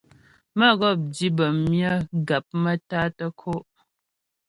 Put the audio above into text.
Mə́gɔp di bəm myə gap maə́tá tə́ kǒ'.